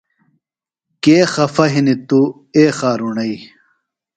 کے خفا ہِنیۡ توۡ اے خارُݨئیۡ۔